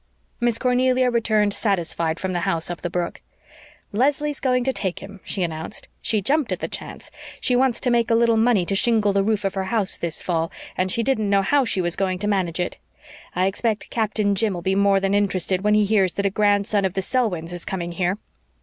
Miss Cornelia returned satisfied from the house up the brook. "Leslie's going to take him," she announced. "She jumped at the chance. She wants to make a little money to shingle the roof of her house this fall, and she didn't know how she was going to manage it. I expect Captain Jim'll be more than interested when he hears that a grandson of the Selwyns' is coming here.